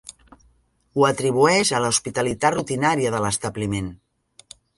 Ho atribueix a l'hospitalitat rutinària de l'establiment.